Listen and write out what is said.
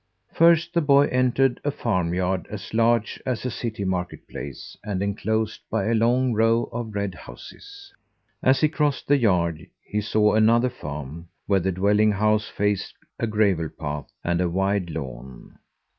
First the boy entered a farm yard as large as a city marketplace and enclosed by a long row of red houses. As he crossed the yard, he saw another farm where the dwelling house faced a gravel path and a wide lawn.